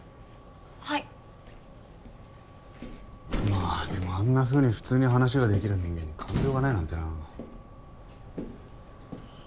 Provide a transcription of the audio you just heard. まあでもあんなふうに普通に話ができる人間に感情がないなんてな。